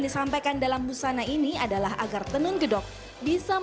disampaikan dalam busana ini adalah agar tenun gedoknya akan dikumpulkan dengan warna hijau